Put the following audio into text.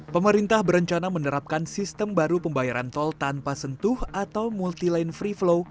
pemerintah berencana menerapkan sistem baru pembayaran tol tanpa sentuh atau multi lane free flow